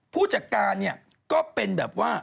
ผู้จอกการเนี่ยหรือเป็นแบบว่า